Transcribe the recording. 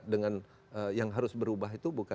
dengan yang harus berubah itu